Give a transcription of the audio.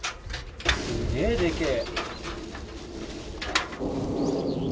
すげえでけえ。